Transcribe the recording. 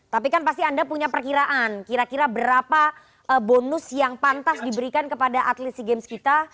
tapi kan pasti anda punya perkiraan kira kira berapa bonus yang pantas diberikan kepada atlet sea games kita